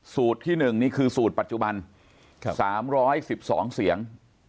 สูตรที่๑นี่คือสูตรปัจจุบัน๓๑๒เสียง